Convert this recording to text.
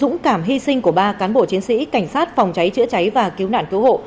dũng cảm hy sinh của ba cán bộ chiến sĩ cảnh sát phòng cháy chữa cháy và cứu nạn cứu hộ